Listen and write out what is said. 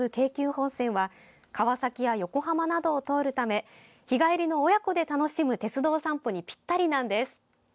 本線は川崎や横浜などを通るため日帰りの親子で楽しむ鉄道散歩にぴったりなんです。